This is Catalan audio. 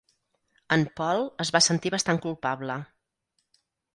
En Paul es va sentir bastant culpable.